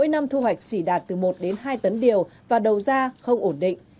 mỗi năm thu hoạch chỉ đạt từ một đến hai tấn điều và đầu ra không ổn định